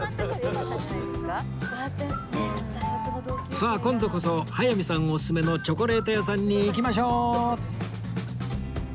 さあ今度こそ早見さんおすすめのチョコレート屋さんに行きましょう！